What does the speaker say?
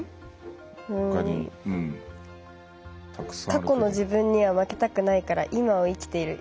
「過去の自分には負けたくないから今を生きている。